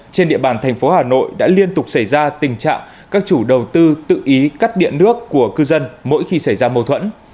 trên địa bàn thành phố hà nội đã liên tục xảy ra tình trạng các chủ đầu tư tự ý cắt điện nước của cư dân mỗi khi xảy ra mâu thuẫn